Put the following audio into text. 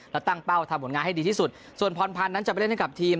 และตั้งเป้าทำผลงานให้ดีที่สุดส่วนพรพันธ์นั้นจะไปเล่นให้กับทีม